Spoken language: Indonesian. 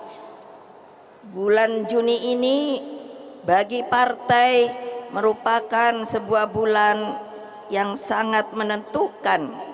karena bulan juni ini bagi partai merupakan sebuah bulan yang sangat menentukan